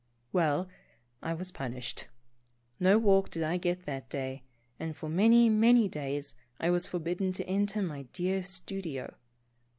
Well, I was pun ished. No walk did I get that day, and for many, many days I was forbidden to enter my dear stu dio.